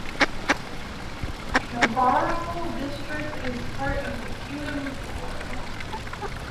Kabarole District is part of the Kingdom of Toro.